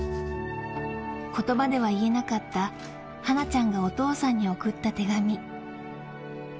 言葉では言えなかった、はなちゃんのお父さんに送った手紙。